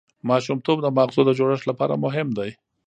ماشومتوب د ماغزو د جوړښت لپاره مهم دی.